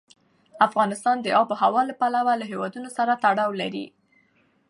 افغانستان د آب وهوا له پلوه له هېوادونو سره تړاو لري.